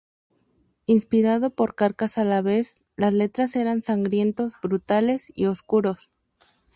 Inspirado por Carcass a la vez, las letras eran sangrientos, brutales y oscuros.